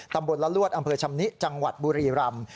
ตำบลละลวดอำเภอชำนิจังหวัดบุรีรำ